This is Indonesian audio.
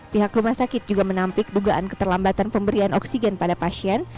pihak rumah sakit juga menampik dugaan keterlambatan pemberian oksigen pada pasien